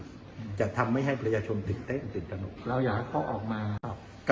อืมจะทำให้ให้ประชาชนตื่นเต้นตื่นตระหนดเราอยากจะต้องออกมาครับ